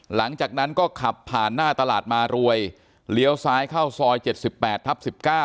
หลังจากนั้นก็ขับผ่านหน้าตลาดมารวยเลี้ยวซ้ายเข้าซอย๗๘ทับ๑๙